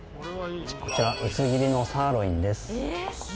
こちら薄切りのサーロインです。